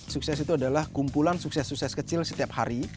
sukses itu adalah kumpulan sukses sukses kecil setiap hari